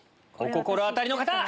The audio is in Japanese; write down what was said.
お心当たりの方！